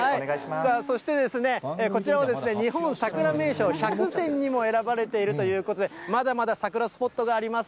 そしてですね、こちらは日本さくら名所１００選にも選ばれているということで、まだまだ桜スポットがあります。